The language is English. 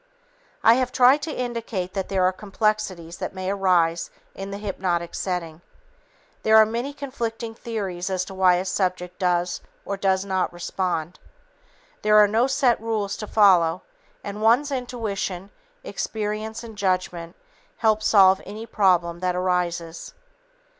I have tried to indicate that there are complexities that may arise in the hypnotic setting. There are many conflicting theories as to why a subject does or does not respond. There are no set rules to follow, and one's intuition, experience and judgment help solve any problem that arises.